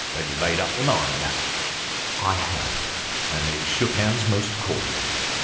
" Then you've made up your mind ?" "I have," and they shook hands most cordially.